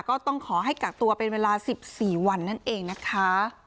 ก็ต้องขอให้กักตัวเป็นเวลา๑๔วันนั่นเองนะคะ